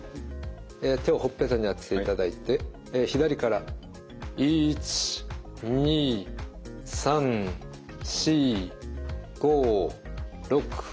え手をほっぺたに当てていただいて左から１２３４５６７８９１０。